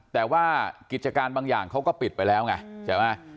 แต่ว่ากิจการบางอย่างเขาก็ปิดไปแล้วไงใช่ไหม